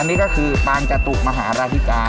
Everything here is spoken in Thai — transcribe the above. อันนี้ก็คือปางจาตุลมหาฐิกา